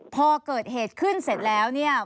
พอเกิดเหตุขึ้นเสร็จแล้วเนี่ย